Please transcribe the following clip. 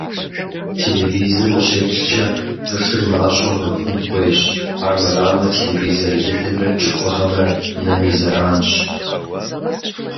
Телевизор ущеплъкӀэ пэшыр мащӀэу нэхун хуейщ, армырамэ телевизор лыдымрэ кӀыфӀыгъэмрэ нэм и зэранщ.